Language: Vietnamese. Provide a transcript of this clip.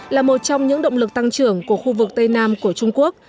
là một trong những động lực tăng trưởng của khu vực tây nam của trung quốc